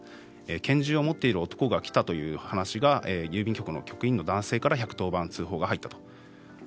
拳銃を持っている男が来たという話が郵便局の局員の男性から１１０番通報が入ったと。